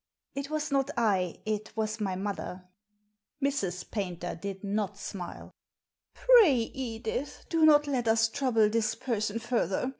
" It was not I ; it was my mother." Mrs. Paynter did not smile. "Pray, Edith, do not let us trouble this person further.